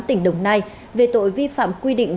tỉnh đồng nai về tội vi phạm quy định